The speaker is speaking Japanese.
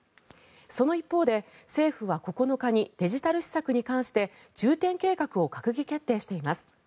その一方で、政府は９日にデジタル施策に関して重点計画を閣議決定しています。